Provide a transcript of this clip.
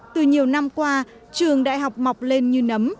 từ nhiều năm qua trường đại học mọc lên như nấm